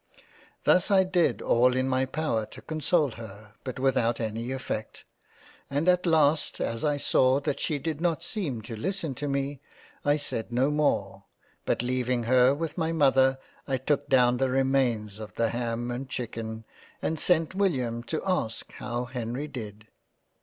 Thus I did all in my power to console her, but without any effect, and at last as I saw that she did not seem to listen to me, I said no more, but leaving her with my Mother I took down the remains of The Ham and Chicken, and sent William to ask how Henry did.